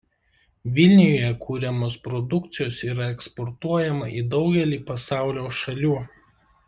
Vilniuje kuriamos produkcijos yra eksportuojama į daugelį pasaulio šalių.